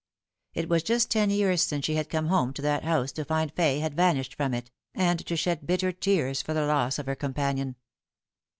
It was just ten years since she had come home to that house to find Fay had vanished from it, and to shed bitter tears for the loss of her companion.